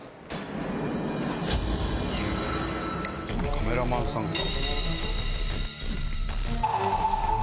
カメラマンさんか。